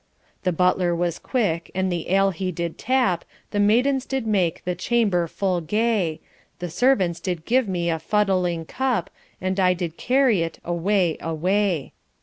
The butler was quick, and the ale he did tap, The maidens did make the chamber full gay; The servants did give me a fuddling cup, And I did carry't away, away.